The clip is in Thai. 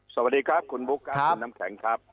สวัสดีครับคุณบุ๊คครับคุณน้ำแข็งครับ